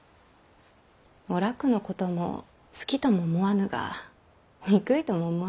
お楽のことも好きとも思わぬが憎いとも思わぬし。